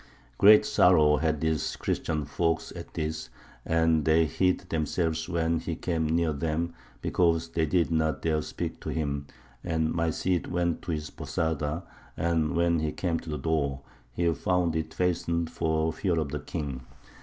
Great sorrow had these Christian folk at this, and they hid themselves when he came near them because they did not dare speak to him; and my Cid went to his Posada, and when he came to the door he found it fastened for fear of the king.